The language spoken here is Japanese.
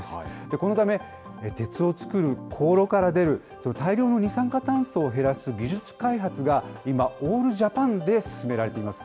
このため、鉄を作る高炉から出る大量の二酸化炭素を減らす技術開発が今、オールジャパンで進められています。